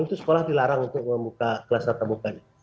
itu sekolah dilarang untuk membuka kelas atau bukanya